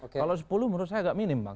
kalau sepuluh menurut saya agak minim bang